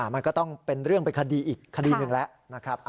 มันก็ต้องเป็นเรื่องเป็นคดีอีกคดีหนึ่งแล้วนะครับ